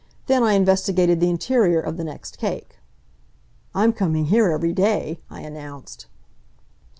Then I investigated the interior of the next cake. "I'm coming here every day," I announced.